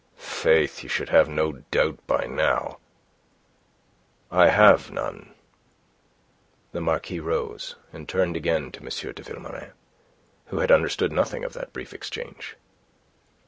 "Faith, you should have no doubt by now." "I have none." The Marquis rose, and turned again to M. de Vilmorin, who had understood nothing of that brief exchange.